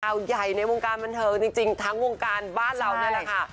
ข่าวใหญ่ในวงการบันเทิงจริงทั้งวงการบ้านเรานั่นแหละค่ะ